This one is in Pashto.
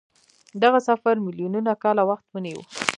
دغه سفر میلیونونه کاله وخت ونیو.